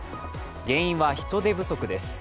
原因は人手不足です。